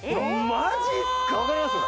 マジすか！？わかります？